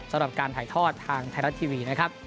สำหรับการถ่ายทอดทางไทยรัฐทีวีนะครับ